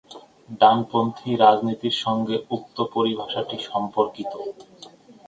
ডানপন্থী রাজনীতির সঙ্গে উক্ত পরিভাষাটি সম্পর্কিত।